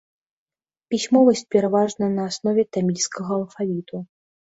Пісьмовасць пераважна на аснове тамільскага алфавіту.